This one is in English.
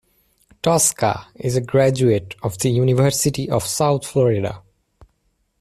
Tosca is a graduate of the University of South Florida.